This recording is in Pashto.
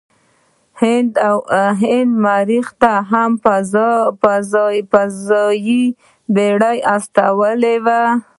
هند مریخ ته هم فضايي بیړۍ واستوله.